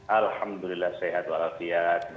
alhamdulillah sehat wa rafiat